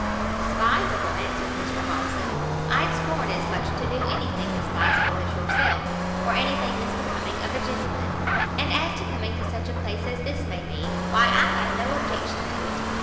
"Despiseable!" answered Mr Hobson, "I'd scorn as much to do anything despiseable as yourself, or any thing misbecoming of a gentleman; and as to coming to such a place as this may be, why I have no objection to it.